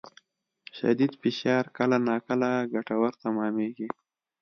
شدید فشار کله ناکله ګټور تمامېږي.